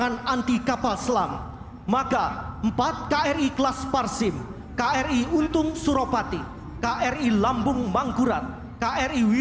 dan tidak bisa dihancurkan dengan kecepatan yang berbeda